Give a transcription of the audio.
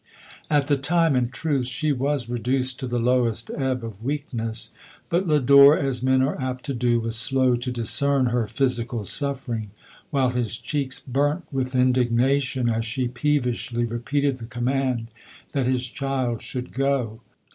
At the time, in truth, she was reduced to the lowest ebb of weakness; but Lodore, as men are apt to do, was slow to dis cern her physical suffering, while his cheeks burnt with indignation, as she peevishly re peated the command that his child should go.